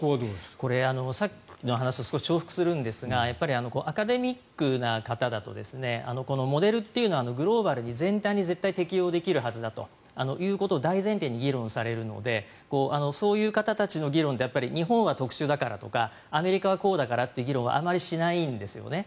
さっきの話と少し重複するんですがやっぱりアカデミックな方だとこのモデルというのはグローバルに全体に絶対適用できるはずだとそういうことを大前提に議論されるのでそういう方たちの議論ってやっぱり日本は特殊だからとかアメリカはこうだからという議論はあまりしないんですよね。